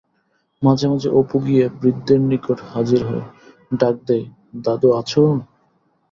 মাঝে মাঝে অপু গিয়া বৃদ্ধের নিকট হাজির হয়, ডাক দেয়,-দাদু আছো?